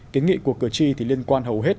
kiến nghị của cử tri thì liên quan hầu hết